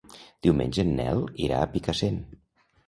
Diumenge en Nel irà a Picassent.